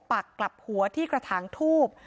ปักกลับหัวที่กระถางทูบ